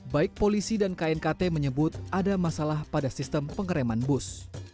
baik polisi dan knkt menyebut ada masalah pada sistem pengereman bus